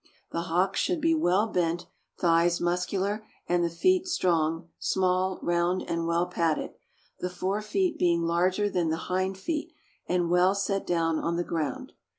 The hocks should be well bent; thighs muscular, and the feet strong, small, round, and well padded — the fore feet being larger than the hind feet, and well set down on the ground.